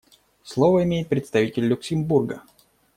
Слово имеет представитель Люксембурга.